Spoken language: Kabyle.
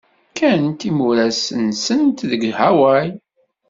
Kkant imuras-nsent deg Hawaii.